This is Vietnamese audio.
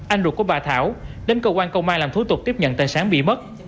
anh ruột của bà thảo đến cơ quan công an làm thú tục tiếp nhận tên sáng bị mất